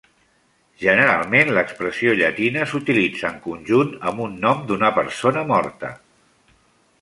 Generalment l'expressió llatina s'utilitza en conjunt amb un nom d'una persona morta.